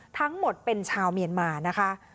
ทั้งหมดเป็นชาวเมียนมานะคะ